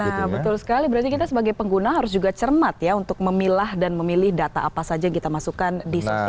nah betul sekali berarti kita sebagai pengguna harus juga cermat ya untuk memilah dan memilih data apa saja yang kita masukkan di sosial media